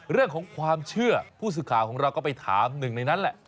เรื่องของความเชื่อผู้สื่อข่าวของเราก็ไปถามหนึ่งในนั้นแหละ